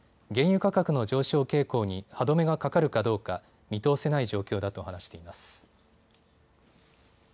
原油価格の上昇傾向に歯止めがかかるかどうか見通せない状況だと話しています。